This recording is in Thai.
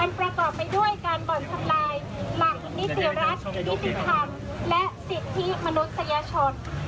ประกอบไปด้วยการบ่อนทำลายหลักนิติรัฐนิติธรรมและสิทธิมนุษยชน